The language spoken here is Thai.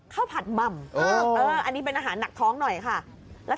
ข้าวผัดบำอันนี้เป็นอาหารหนักท้องหน่อยค่ะ